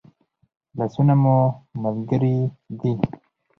لاسونه مو ملګري دي